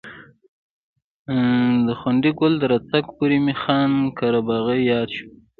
د ځونډي ګل تر راتګ پورې مې خان قره باغي یاد شو.